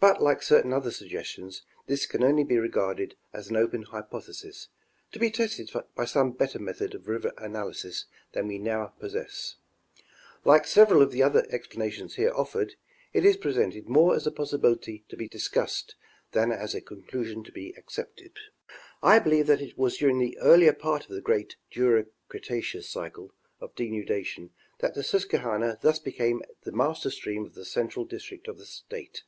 But like certain other suggestions, this can only be regarded as an open hypothesis, to be tested by some better method of river analysis than we now possess ; like several of the other explanations here offered, it is presented more as a possibility to be discussed than as a conclusion to be accepted. I believe that it was during the earlier part of the great Jura Cretaceous cycle of denudation that the Susquehanna thus be came the master stream of the central district of the state.